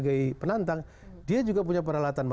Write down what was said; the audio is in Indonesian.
tapi sebagai penantang dia juga punya peralatan masyarakatnya